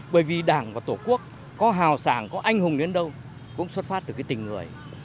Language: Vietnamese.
bởi vì đảng và tổ quốc có hào sảng có anh hùng đến đâu cũng xuất phát từ cái tình người